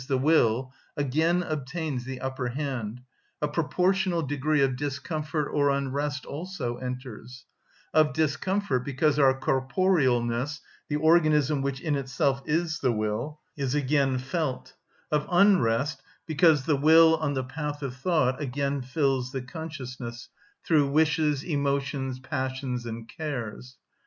_, the will, again obtains the upper hand, a proportional degree of discomfort or unrest also enters; of discomfort, because our corporealness (the organism which in itself is the will) is again felt; of unrest, because the will, on the path of thought, again fills the consciousness through wishes, emotions, passions, and cares.